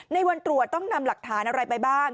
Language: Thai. ในวันตรวจต้องนำหลักฐานอะไรไปบ้าง